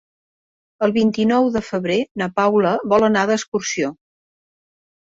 El vint-i-nou de febrer na Paula vol anar d'excursió.